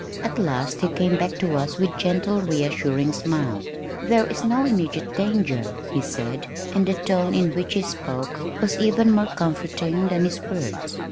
At last he came back to us with gentle reassuring smile. "There is no immediate danger," he said, and the tone in which he spoke was even more comforting than his words.